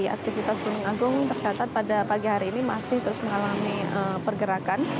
aktivitas gunung agung tercatat pada pagi hari ini masih terus mengalami pergerakan